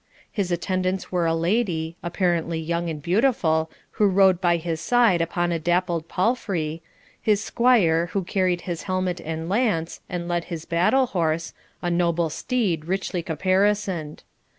His attendants were a lady, apparently young and beautiful, who rode by his side upon a dappled palfrey; his squire, who carried his helmet and lance, and led his battlehorse, a noble steed, richly caparisoned.